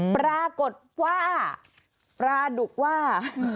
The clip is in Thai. ปรากฏว่าปลาดุกว่า